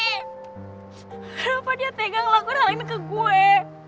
kenapa dia tegang ngelakuin hal ini ke gue